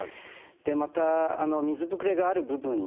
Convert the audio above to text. でまた水ぶくれがある部分にですね